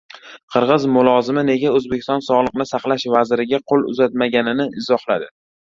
Qirg‘iz mulozimi nega O‘zbekiston sog‘liqni saqlash vaziriga qo‘l uzatmaganini izohladi